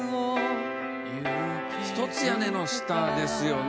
『ひとつ屋根の下』ですよね